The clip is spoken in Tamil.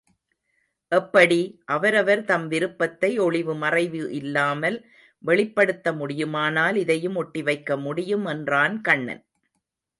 எப்படி? அவரவர் தம் விருப்பத்தை ஒளிவுமறைவு இல்லாமல் வெளிப்படுத்த முடியுமானால் இதையும் ஒட்டி வைக்க முடியும் என்றான் கண்ணன்.